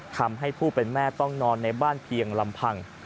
ทำให้ผู้เป็นแม่ต้องนอนในบ้านเพียงลำพัง